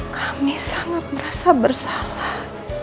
kami sangat merasa bersalah